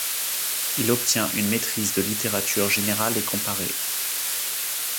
Il obtient une Maîtrise de Littérature générale et comparée.